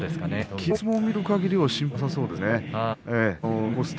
きのうの相撲を見るかぎりは心配なさそうですね。